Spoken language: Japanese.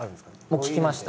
僕聞きました。